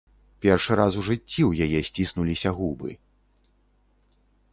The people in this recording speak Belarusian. Першы раз у жыцці ў яе сціснуліся губы.